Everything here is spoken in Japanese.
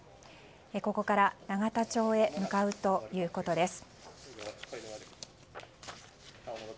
ここから永田町へ向かうということです。